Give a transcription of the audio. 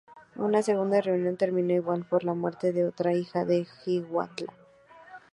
Una segunda reunión termino igual por la muerte de otra hija de Hiawatha.